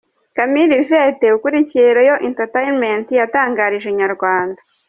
Camille Yvette ukuriye Royal Entertainment yatangarije inyarwanda.